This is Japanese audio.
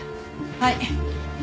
はい。